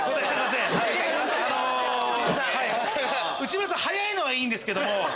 内村さん早いのはいいんですけども。